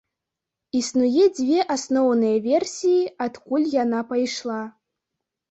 Існуе дзве асноўныя версіі, адкуль яна пайшла.